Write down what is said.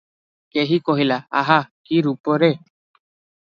କେହି କହିଲା – ଆହା କି ରୂପ ରେ!